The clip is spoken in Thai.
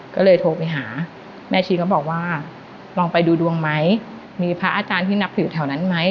ก็เลยโทรไปหาแม่ชีก็บอกว่าลองไปดูดวงไหมมีพระอาจารย์ที่นับถือแถวนั้นไหม